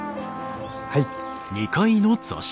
はい。